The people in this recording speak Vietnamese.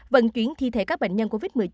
vận chuyển thi thể các bệnh nhân covid một mươi chín